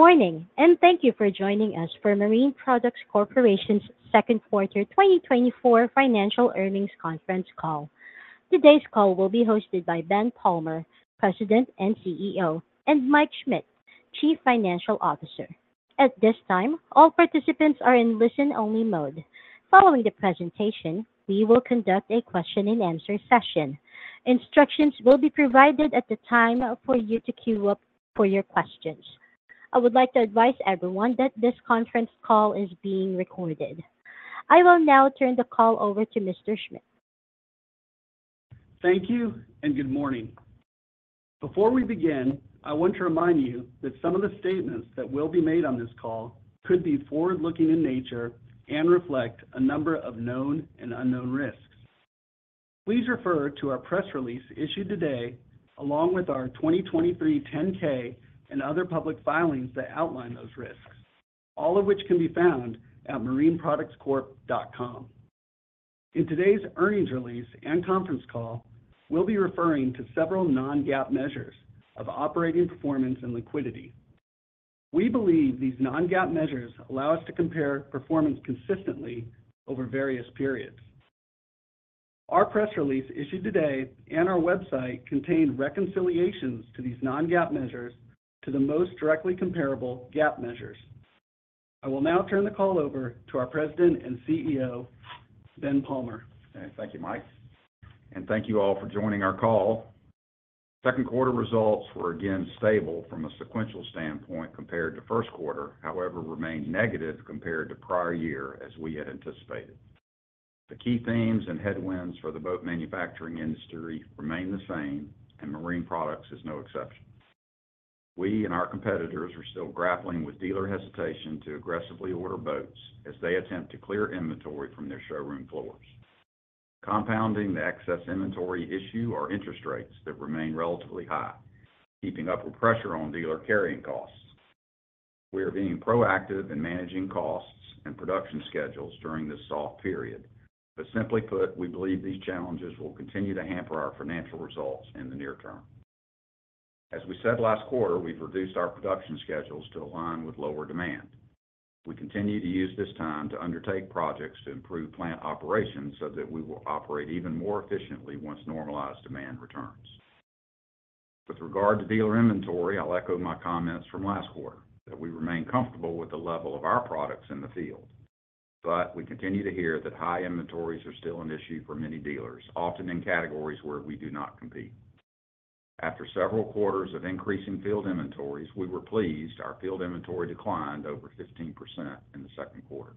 Good morning, and thank you for joining us for Marine Products Corporation's second quarter 2024 financial earnings conference call. Today's call will be hosted by Ben Palmer, President and CEO, and Mike Schmit, Chief Financial Officer. At this time, all participants are in listen-only mode. Following the presentation, we will conduct a question-and-answer session. Instructions will be provided at the time for you to queue up for your questions. I would like to advise everyone that this conference call is being recorded. I will now turn the call over to Mr. Schmit. Thank you, and good morning. Before we begin, I want to remind you that some of the statements that will be made on this call could be forward-looking in nature and reflect a number of known and unknown risks. Please refer to our press release issued today, along with our 2023 10-K and other public filings that outline those risks, all of which can be found at marineproductscorp.com. In today's earnings release and conference call, we'll be referring to several non-GAAP measures of operating performance and liquidity. We believe these non-GAAP measures allow us to compare performance consistently over various periods. Our press release issued today and our website contain reconciliations to these non-GAAP measures to the most directly comparable GAAP measures. I will now turn the call over to our President and CEO, Ben Palmer. Okay, thank you, Mike. Thank you all for joining our call. Second quarter results were again stable from a sequential standpoint compared to first quarter. However, they remained negative compared to prior year, as we had anticipated. The key themes and headwinds for the boat manufacturing industry remain the same, and Marine Products is no exception. We and our competitors are still grappling with dealer hesitation to aggressively order boats as they attempt to clear inventory from their showroom floors. Compounding the excess inventory issue are interest rates that remain relatively high, keeping up with pressure on dealer carrying costs. We are being proactive in managing costs and production schedules during this soft period, but simply put, we believe these challenges will continue to hamper our financial results in the near term. As we said last quarter, we've reduced our production schedules to align with lower demand. We continue to use this time to undertake projects to improve plant operations so that we will operate even more efficiently once normalized demand returns. With regard to dealer inventory, I'll echo my comments from last quarter, that we remain comfortable with the level of our products in the field, but we continue to hear that high inventories are still an issue for many dealers, often in categories where we do not compete. After several quarters of increasing field inventories, we were pleased our field inventory declined over 15% in the second quarter.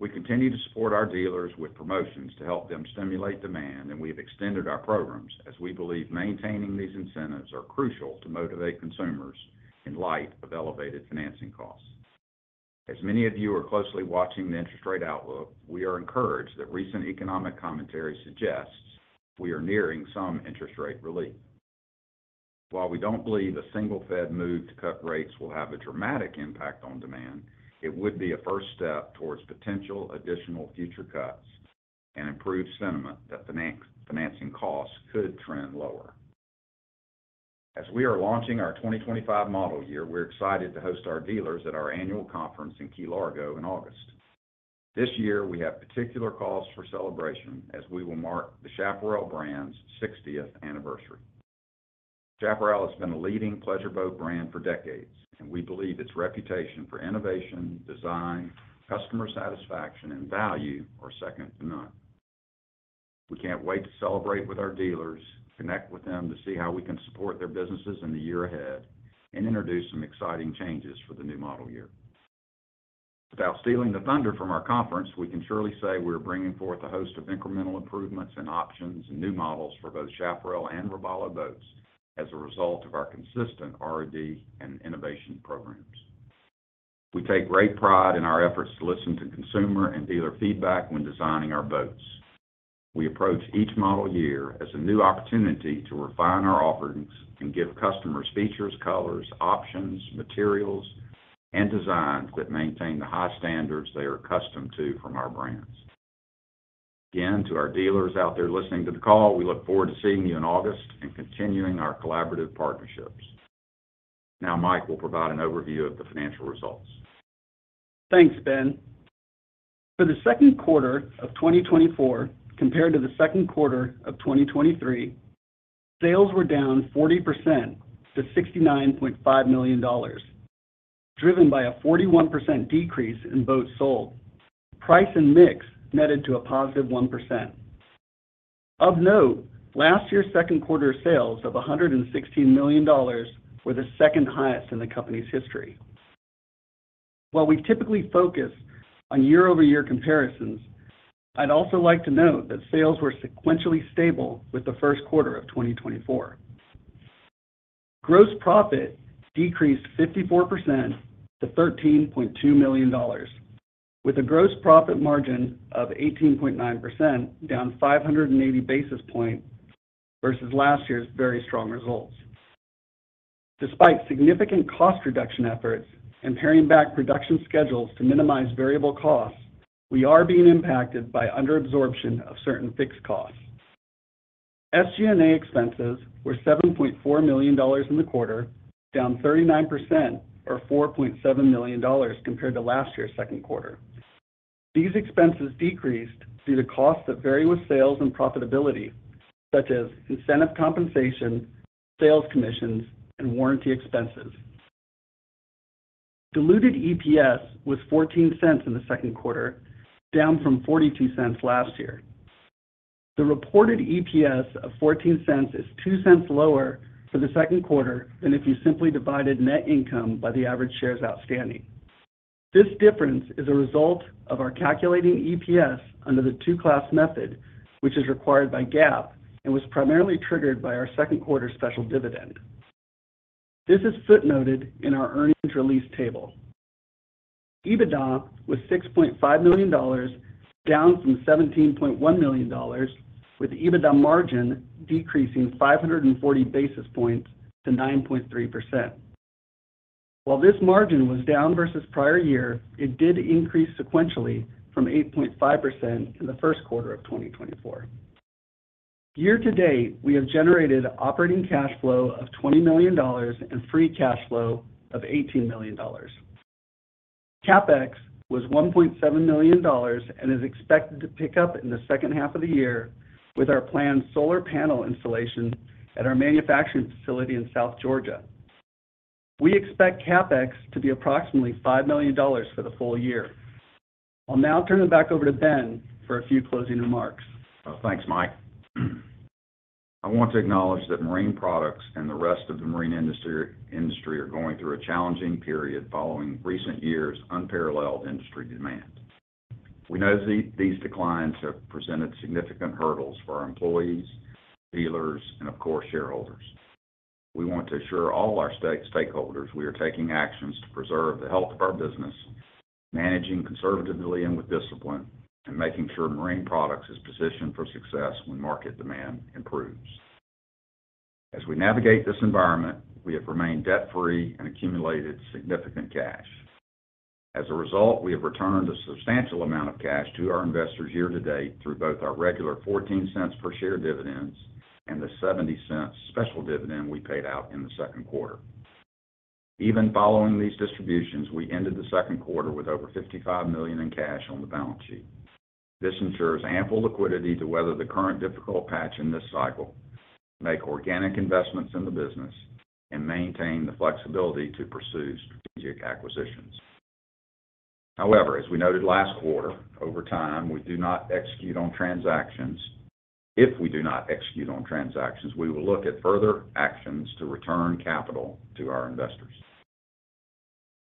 We continue to support our dealers with promotions to help them stimulate demand, and we've extended our programs, as we believe maintaining these incentives is crucial to motivate consumers in light of elevated financing costs. As many of you are closely watching the interest rate outlook, we are encouraged that recent economic commentary suggests we are nearing some interest rate relief. While we don't believe a single Fed move to cut rates will have a dramatic impact on demand, it would be a first step towards potential additional future cuts and improved sentiment that financing costs could trend lower. As we are launching our 2025 model year, we're excited to host our dealers at our annual conference in Key Largo in August. This year, we have particular cause for celebration, as we will mark the Chaparral brand's 60th anniversary. Chaparral has been a leading pleasure boat brand for decades, and we believe its reputation for innovation, design, customer satisfaction, and value are second to none. We can't wait to celebrate with our dealers, connect with them to see how we can support their businesses in the year ahead, and introduce some exciting changes for the new model year. Without stealing the thunder from our conference, we can surely say we're bringing forth a host of incremental improvements and options and new models for both Chaparral and Robalo boats as a result of our consistent R&D and innovation programs. We take great pride in our efforts to listen to consumer and dealer feedback when designing our boats. We approach each model year as a new opportunity to refine our offerings and give customers features, colors, options, materials, and designs that maintain the high standards they are accustomed to from our brands. Again, to our dealers out there listening to the call, we look forward to seeing you in August and continuing our collaborative partnerships. Now, Mike will provide an overview of the financial results. Thanks, Ben. For the second quarter of 2024, compared to the second quarter of 2023, sales were down 40% to $69.5 million, driven by a 41% decrease in boats sold, price and mix netted to a positive 1%. Of note, last year's second quarter sales of $116 million were the second highest in the company's history. While we typically focus on year-over-year comparisons, I'd also like to note that sales were sequentially stable with the first quarter of 2024. Gross profit decreased 54% to $13.2 million, with a gross profit margin of 18.9%, down 580 basis points versus last year's very strong results. Despite significant cost reduction efforts and paring back production schedules to minimize variable costs, we are being impacted by underabsorption of certain fixed costs. SG&A expenses were $7.4 million in the quarter, down 39% or $4.7 million compared to last year's second quarter. These expenses decreased due to costs that vary with sales and profitability, such as incentive compensation, sales commissions, and warranty expenses. Diluted EPS was $0.14 in the second quarter, down from $0.42 last year. The reported EPS of $0.14 is $0.02 lower for the second quarter than if you simply divided net income by the average shares outstanding. This difference is a result of our calculating EPS under the two-class method, which is required by GAAP and was primarily triggered by our second quarter special dividend. This is footnoted in our earnings release table. EBITDA was $6.5 million, down from $17.1 million, with EBITDA margin decreasing 540 basis points to 9.3%. While this margin was down versus prior year, it did increase sequentially from 8.5% in the first quarter of 2024. Year to date, we have generated operating cash flow of $20 million and free cash flow of $18 million. CapEx was $1.7 million and is expected to pick up in the second half of the year with our planned solar panel installation at our manufacturing facility in South Georgia. We expect CapEx to be approximately $5 million for the full year. I'll now turn it back over to Ben for a few closing remarks. Thanks, Mike. I want to acknowledge that Marine Products and the rest of the marine industry are going through a challenging period following recent years' unparalleled industry demand. We know these declines have presented significant hurdles for our employees, dealers, and of course, shareholders. We want to assure all our stakeholders we are taking actions to preserve the health of our business, managing conservatively and with discipline, and making sure Marine Products is positioned for success when market demand improves. As we navigate this environment, we have remained debt-free and accumulated significant cash. As a result, we have returned a substantial amount of cash to our investors year to date through both our regular $0.14 per share dividends and the $0.70 special dividend we paid out in the second quarter. Even following these distributions, we ended the second quarter with over $55 million in cash on the balance sheet. This ensures ample liquidity to weather the current difficult patch in this cycle, make organic investments in the business, and maintain the flexibility to pursue strategic acquisitions. However, as we noted last quarter, over time, we do not execute on transactions. If we do not execute on transactions, we will look at further actions to return capital to our investors.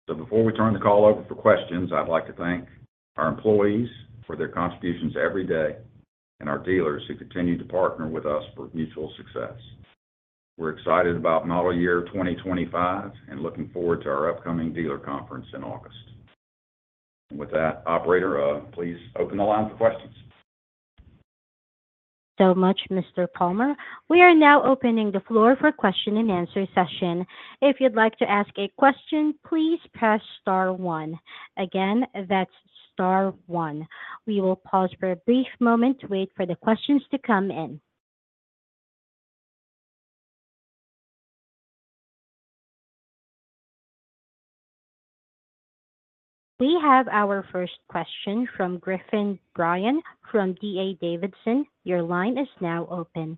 So before we turn the call over for questions, I'd like to thank our employees for their contributions every day and our dealers who continue to partner with us for mutual success. We're excited about model year 2025 and looking forward to our upcoming dealer conference in August. With that, Operator, please open the line for questions. So much, Mr. Palmer. We are now opening the floor for a question-and-answer session. If you'd like to ask a question, please press star one. Again, that's star one. We will pause for a brief moment to wait for the questions to come in. We have our first question from Griffin Bryan from D.A. Davidson. Your line is now open.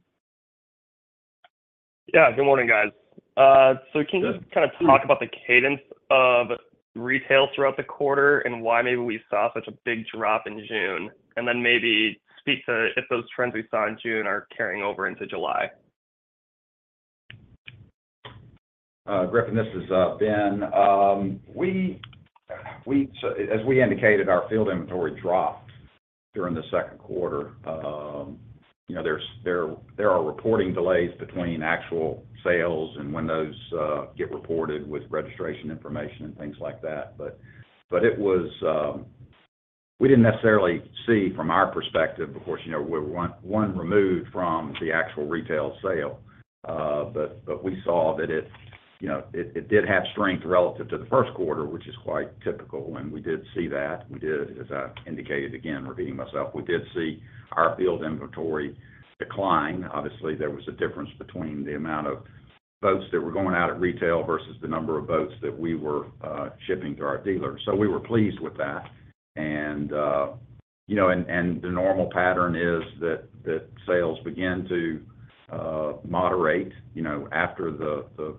Yeah, good morning, guys. So can you kind of talk about the cadence of retail throughout the quarter and why maybe we saw such a big drop in June? And then maybe speak to if those trends we saw in June are carrying over into July? Griffin, this is Ben. As we indicated, our field inventory dropped during the second quarter. Um, there are reporting delays between actual sales and when those get reported with registration information and things like that. But it was um, we didn't necessarily see from our perspective, of course, we were one removed from the actual retail sale. Uh, but we saw that you know, it did have strength relative to the first quarter, which is quite typical. And we did see that. We did, as I indicated again, repeating myself, we did see our field inventory decline. Obviously, there was a difference between the amount of boats that were going out at retail versus the number of boats that we were uh shipping to our dealers. So we were pleased with that. And uh, you know and the normal pattern is that sales begin to moderate after the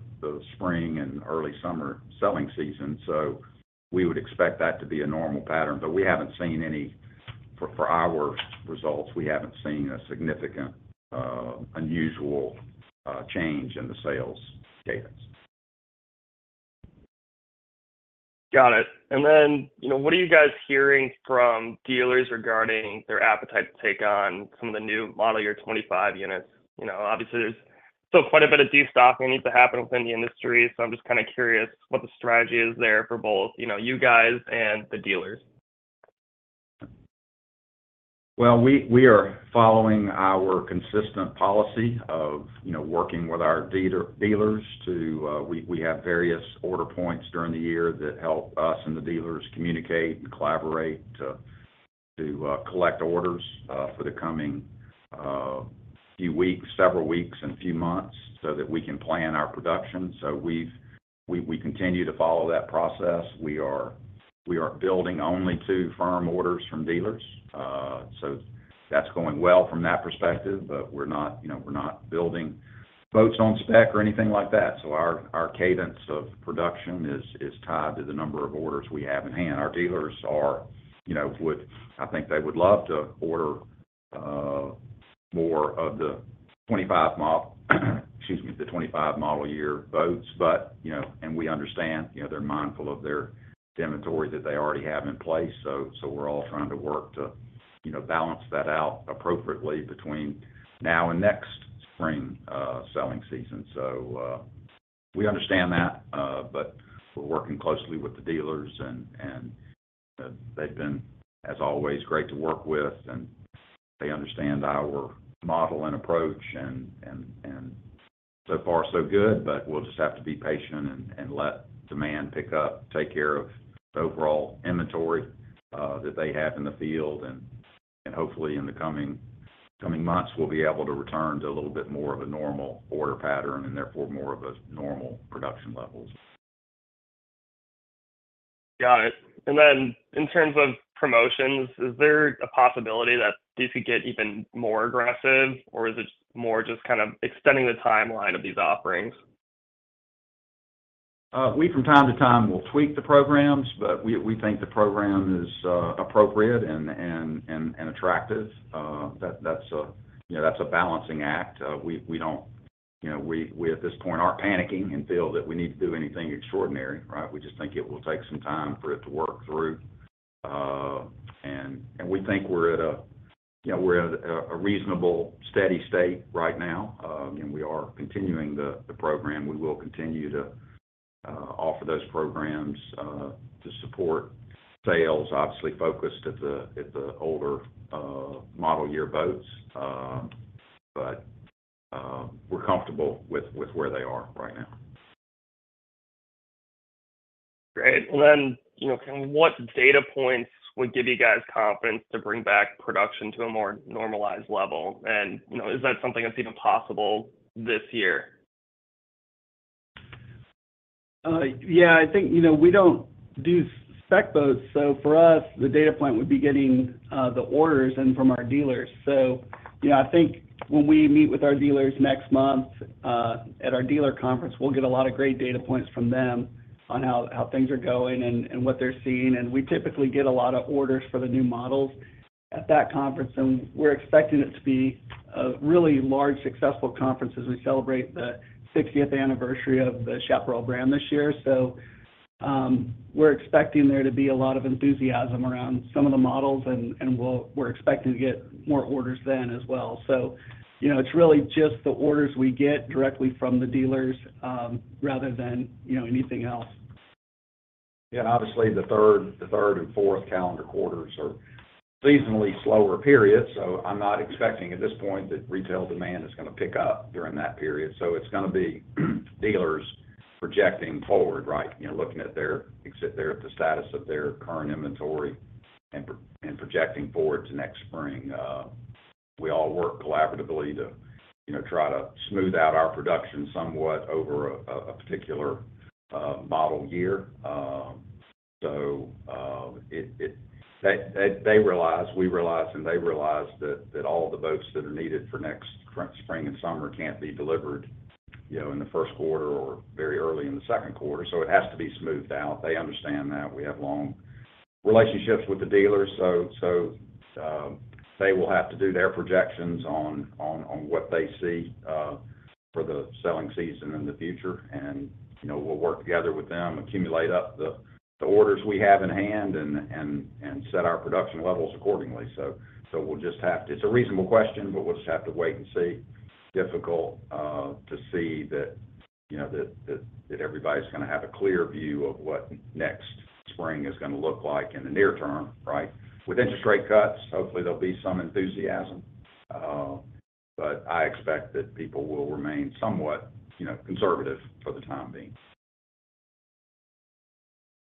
spring and early summer selling season. So we would expect that to be a normal pattern. But we haven't seen any for our results. We haven't seen a significant uh unusual uh change in the sales cadence. Got it. And then what are you guys hearing from dealers regarding their appetite to take on some of the new model year 2025 units? You know obviously, there's still quite a bit of destocking that needs to happen within the industry. So I'm just kind of curious what the strategy is there for both you guys and the dealers. Well, we are following our consistent policy of you know working with our dealers to we have various order points during the year that help us and the dealers communicate and collaborate to collect orders uh for the coming uh few weeks, several weeks, and few months so that we can plan our production. So we continue to follow that process. We are, we are building only two firm orders from dealers. Uh, so that's going well from that perspective, but we're not you know we're not building boats on spec or anything like that. So our cadence of production is tied to the number of orders we have in hand. Our dealers are you know with I think they would love to order uh more of the 2025 model excuse me, the 2025 model year boats. We understand they're mindful of their inventory that they already have in place. So we're all trying to work to balance that out appropriately between now and next spring selling season. So uh, we understand that, uh but we're working closely with the dealers. And they've been, as always, great to work with. And they understand our model and approach. So far, so good, but we'll just have to be patient and let demand pick up, take care of the overall inventory that they have in the field. And hopefully, in the coming months, we'll be able to return to a little bit more of a normal order pattern and therefore more of a normal production levels. Got it. And then in terms of promotions, is there a possibility that these could get even more aggressive, or is it more just kind of extending the timeline of these offerings? Uh we, from time to time, will tweak the programs, but we think the program is appropriate and attractive. That's a balancing act. We don't, at this point, aren't panicking and feel that we need to do anything extraordinary, right? We just think it will take some time for it to work through. Uh and we think we're at a reasonable steady state right now. And we are continuing the program. We will continue to offer those programs to support sales, obviously focused at the older model year boats. But we're comfortable with where they are right now. Great. And then what data points would give you guys confidence to bring back production to a more normalized level? And is that something that's even possible this year? Yeah, I think we don't do spec boats. So for us, the data point would be getting the orders in from our dealers. So I think when we meet with our dealers next month at our dealer conference, we'll get a lot of great data points from them on how things are going and what they're seeing. And we typically get a lot of orders for the new models at that conference. And we're expecting it to be a really large, successful conference as we celebrate the 60th anniversary of the Chaparral brand this year. So we're expecting there to be a lot of enthusiasm around some of the models. And we're expecting to get more orders then as well. So it's really just the orders we get directly from the dealers rather than anything else. Yeah. Obviously, the third and fourth calendar quarters are seasonally slower periods. I'm not expecting at this point that retail demand is going to pick up during that period. It's going to be dealers projecting forward, right? Looking at their exit there, the status of their current inventory, and projecting forward to next spring. We all work collaboratively to try to smooth out our production somewhat over a particular model year. So they realize, we realize, and they realize that all the boats that are needed for next spring and summer can't be delivered in the first quarter or very early in the second quarter. So it has to be smoothed out. They understand that. We have long relationships with the dealers. So they will have to do their projections on what they see for the selling season in the future. We'll work together with them, accumulate up the orders we have in hand, and set our production levels accordingly. So we'll just have to. It's a reasonable question, but we'll just have to wait and see. Difficult to see that everybody's going to have a clear view of what next spring is going to look like in the near term, right? With interest rate cuts, hopefully, there'll be some enthusiasm. But I expect that people will remain somewhat conservative for the time being.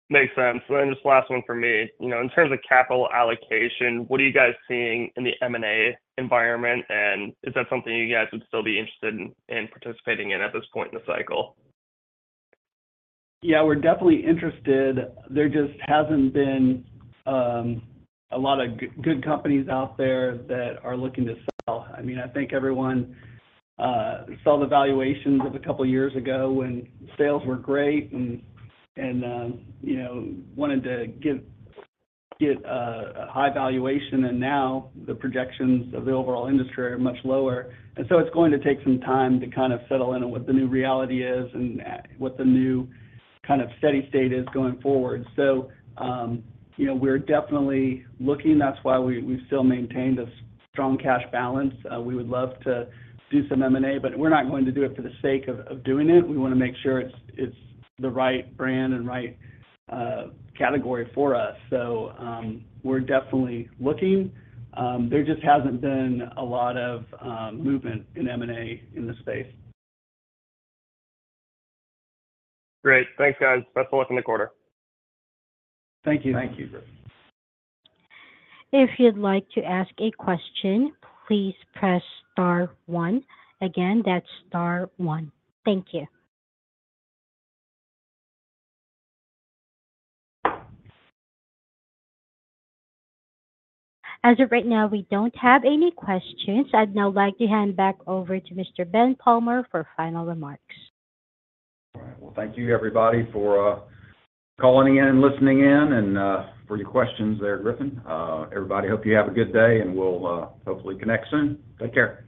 Makes sense. And just last one for me. In terms of capital allocation, what are you guys seeing in the M&A environment? And is that something you guys would still be interested in participating in at this point in the cycle? Yeah, we're definitely interested. There just hasn't been a lot of good companies out there that are looking to sell. I mean, I think everyone saw the valuations of a couple of years ago when sales were great and wanted to get a high valuation. And now the projections of the overall industry are much lower. And so it's going to take some time to kind of settle in on what the new reality is and what the new kind of steady state is going forward. So we're definitely looking. That's why we've still maintained a strong cash balance. We would love to do some M&A, but we're not going to do it for the sake of doing it. We want to make sure it's the right brand and right category for us. So we're definitely looking. There just hasn't been a lot of movement in M&A in the space. Great. Thanks, guys. Best of luck in the quarter. Thank you. Thank you. If you'd like to ask a question, please press star one. Again, that's star one. Thank you. As of right now, we don't have any questions. I'd now like to hand back over to Mr. Ben Palmer for final remarks. All right. Well, thank you, everybody, for calling in and listening in and for your questions there, Griffin. Everybody, hope you have a good day, and we'll hopefully connect soon. Take care.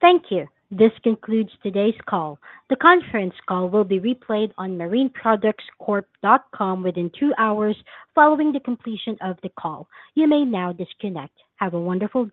Thank you. This concludes today's call. The conference call will be replayed on marineproductscorp.com within 2 hours following the completion of the call. You may now disconnect. Have a wonderful.